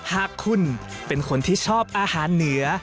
หากคุณเป็นคนที่ชอบอาหารเหนือ